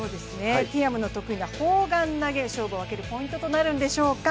ティアムの得意な砲丸投、勝負を分けるポイントとなるんでしょうか。